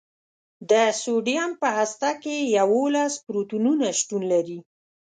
د سوډیم په هسته کې یوولس پروتونونه شتون لري.